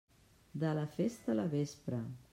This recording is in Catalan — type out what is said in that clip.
De la festa, la vespra.